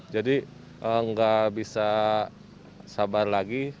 jadi enggak bisa sabar lagi